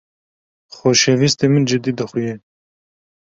Xoşewîstê min cidî dixuye.